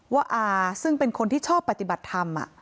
อาซึ่งเป็นคนที่ชอบปฏิบัติธรรม